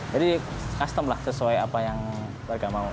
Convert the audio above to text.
jadi custom lah sesuai apa yang warga mau